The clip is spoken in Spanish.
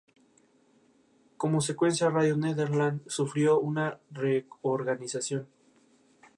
Como consecuencia, Radio Nederland sufrió una reorganización.